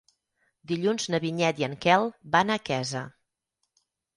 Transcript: Dilluns na Vinyet i en Quel van a Quesa.